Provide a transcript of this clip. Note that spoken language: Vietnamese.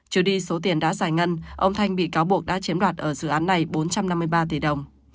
trừ đi số tiền đã giải ngân ông thanh bị cáo buộc đã chiếm đoạt ở dự án này bốn trăm năm mươi ba tỷ đồng